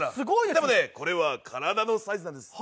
でもね、これは体のサイズなんです。